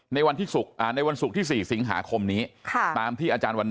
ในวันสุขที่๔สิงหาคมนี้